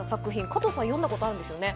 加藤さん、読んだことあるんですね。